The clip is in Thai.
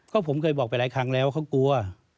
ก็ผมเคยบอกไปหลายครั้งแล้วเขากลัว